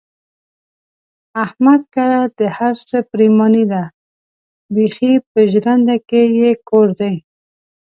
احمد کره د هر څه پرېماني ده، بیخي په ژرنده کې یې کور دی.